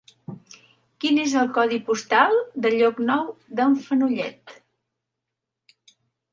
Quin és el codi postal de Llocnou d'en Fenollet?